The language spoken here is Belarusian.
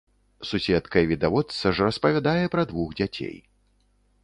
Суседка і відавочца ж распавядае пра двух дзяцей.